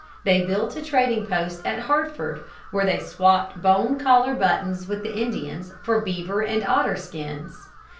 They built a trading post at Hartford, where they swapped bone collar buttons with the Indians for beaver and otter skins.